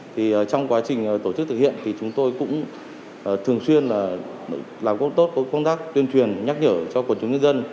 trong quá trình tổ chức thực hiện chúng tôi cũng thường xuyên làm tốt công tác tuyên truyền nhắc nhở cho quần chúng nhân dân